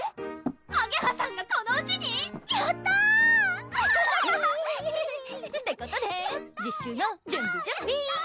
あげはさんがこのうちに⁉やった！ってことで実習の準備準備